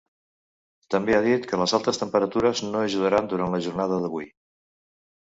També ha dit que les altes temperatures no ajudaran durant la jornada d’avui.